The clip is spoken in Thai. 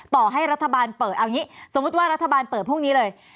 ต่อให้รัฐบาลเปิดเอาอย่างนี้สมมุติว่ารัฐบาลเปิดพรุ่งนี้เลย